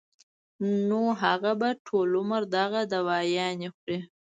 نو هغه به ټول عمر دغه دوايانې خوري